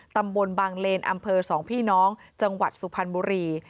ตำบลบางเลนอำเภอ๒พี่น้องจังหวัดสุพรรณบุรี